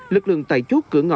lực lượng tẩy chốt cửa ngõ